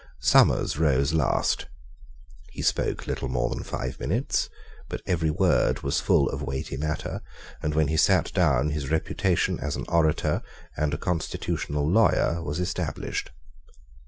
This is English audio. Somers rose last. He spoke little more than five minutes; but every word was full of weighty matter; and when he sate down his reputation as an orator and a constitutional lawyer was established.